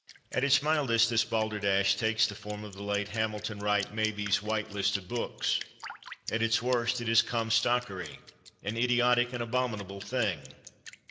At its mildest, this balderdash takes the form of the late Hamilton Wright Mabie's "White List of Books"; at its worst, it is comstockery, an idiotic and abominable thing.